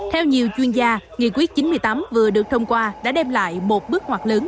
theo nhiều chuyên gia nghị quyết chín mươi tám vừa được thông qua đã đem lại một bước hoạt lớn